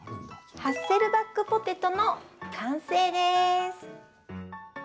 ハッセルバックポテトの完成です。